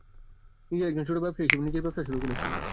তিনি একজন ছোট ব্যবসায়ী হিসাবে নিজের ব্যবসা শুরু করেছিলেন।